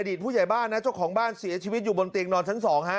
ผู้ใหญ่บ้านนะเจ้าของบ้านเสียชีวิตอยู่บนเตียงนอนชั้น๒ฮะ